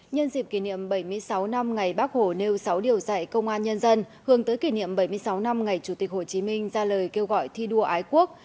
nhân dịp kỷ niệm bảy mươi sáu năm ngày bác hồ nêu sáu điều dạy công an nhân dân hướng tới kỷ niệm bảy mươi sáu năm ngày chủ tịch hồ chí minh ra lời kêu gọi thi đua ái quốc